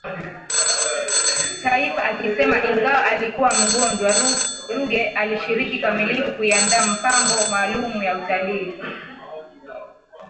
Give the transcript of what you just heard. Taifa akisema ingawa alikuwa mgonjwa Ruge alishiriki kikamilifu kuiandaa mpango maalumu ya utalii